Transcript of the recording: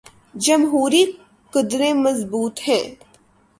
جمہوری قدریں مضبوط ہوں۔